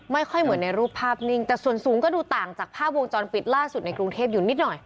ไม่ค่อยเหมือนในรูปภาพนิ่งแต่ส่วนสูงก็ดูต่างจากภาพวงจรปิดล่าสุดในกรุงเทพอยู่นิดหน่อย